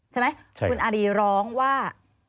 ใช่ไหมคุณอารีร้องว่า